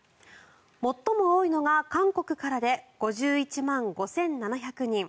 最も多いのが韓国からで５１万５７００人。